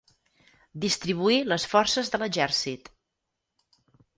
Distribuir les forces de l'exèrcit.